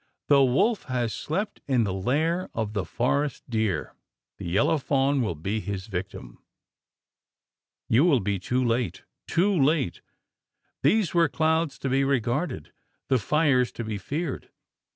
"The wolf has slept in the lair of the forest deer: the yellow fawn will be his victim. You will be too late too late!" These were clouds to be regarded the fires to be feared.